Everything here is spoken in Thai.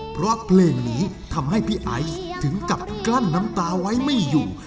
เพราะเพลงนี้ทำให้พี่ไอซ์ถึงกับกลั้นน้ำตาไว้ไม่อยู่